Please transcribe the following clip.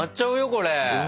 これ。